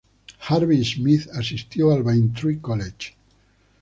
Harvey-Smith asistió al Braintree College.